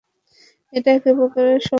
এটা একেবারে সহজ শট।